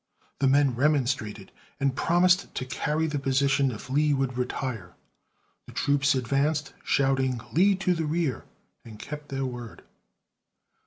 The men remonstrated and promised to carry the position if Lee would retire. The troops advanced shouting, "Lee to the rear!" and kept their word.